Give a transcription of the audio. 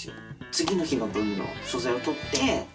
次の日の分の素材を撮って。